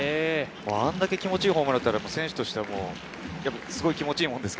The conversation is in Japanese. あんだけ気持ちいいホームランを打ったら選手としても気持ちいいものですか？